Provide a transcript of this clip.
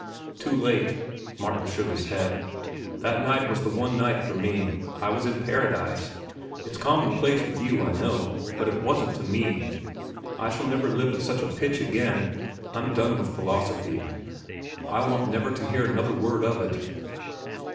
"Too late." Martin shook his head. "That night was the one night for me. I was in paradise. It's commonplace with you, I know. But it wasn't to me. I shall never live at such a pitch again. I'm done with philosophy. I want never to hear another word of it."